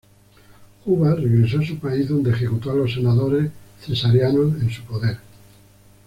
Juba regresó a su país donde ejecutó a los senadores cesarianos en su poder.